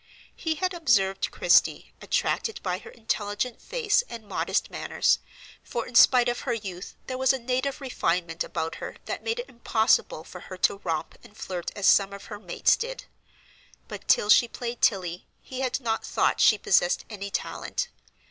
He had observed Christie, attracted by her intelligent face and modest manners, for in spite of her youth there was a native refinement about her that made it impossible for her to romp and flirt as some of her mates did. But till she played Tilly he had not thought she possessed any talent.